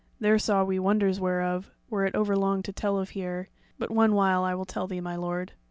There saw we wonders whereof were it overlong to tell of here; but one while I will tell thee, my lord.